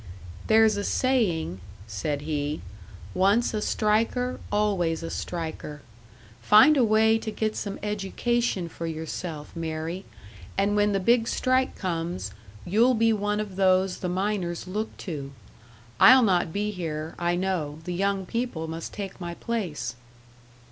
"There's a saying," said he "once a striker, always a striker. Find a way to get some education for yourself, Mary, and when the big strike comes you'll be one of those the miners look to. I'll not be here, I know the young people must take my place."